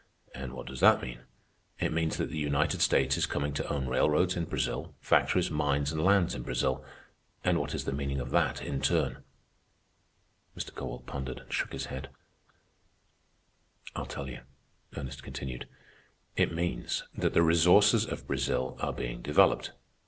And what does that mean? It means that the United States is coming to own railroads in Brazil, factories, mines, and lands in Brazil. And what is the meaning of that in turn?" Mr. Kowalt pondered and shook his head. "I'll tell you," Ernest continued. "It means that the resources of Brazil are being developed.